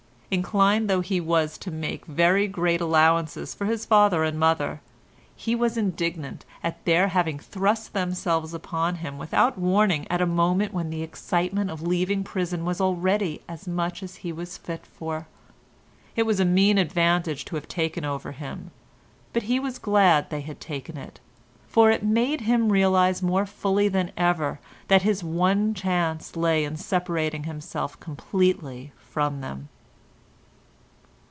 Inclined though he was to make very great allowances for his father and mother, he was indignant at their having thrust themselves upon him without warning at a moment when the excitement of leaving prison was already as much as he was fit for. It was a mean advantage to have taken over him, but he was glad they had taken it, for it made him realise more fully than ever that his one chance lay in separating himself completely from them.